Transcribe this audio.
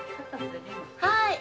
はい。